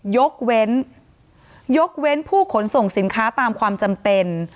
ยกเว้นยกเว้นผู้ขนส่งสินค้าตามความจำเป็น